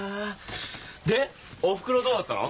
でおふくろはどうだったの？